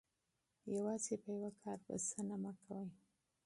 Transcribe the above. یوازې په یوه کار بسنه مه کوئ.